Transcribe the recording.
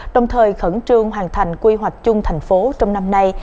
đồng thời khẩn trương hoàn thành quy hoạch chung thành phố trong năm nay